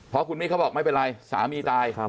เพราะคุณมีดเขาบอกไม่เป็นไรสามีตาย